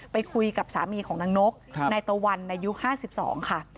ไปคุยกับสามีของนางนกนายตะวันอายุ๕๒ค่ะ